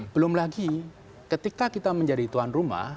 belum lagi ketika kita menjadi tuan rumah